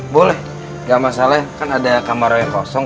boleh nggak masalah kan ada kamar yang kosong